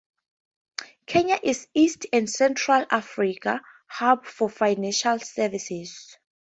Kenya is East and Central Africa's hub for financial services.